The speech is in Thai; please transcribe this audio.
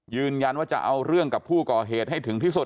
ยืนยันว่าจะเอาเรื่องกับผู้ก่อเหตุให้ถึงที่สุด